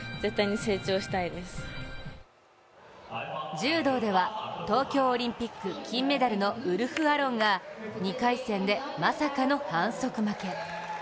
柔道では東京オリンピック金メダルのウルフアロンが２回戦でまさかの反則負け。